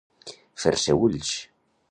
Fer-se ulls.